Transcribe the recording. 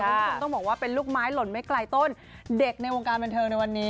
คุณผู้ชมต้องบอกว่าเป็นลูกไม้หล่นไม่ไกลต้นเด็กในวงการบันเทิงในวันนี้